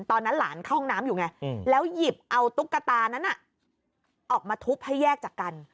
ตอนนั้นหลานเข้าห้องน้ำอยู่ไงแล้วหยิบเอาตุ๊กตานั้นออกมาทุบให้แยกจากกัน